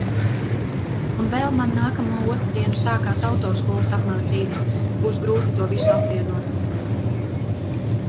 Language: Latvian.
Un vēl man nākamo otrdienu sākas autoskolas apmācības. Būs grūti to visu apvienot.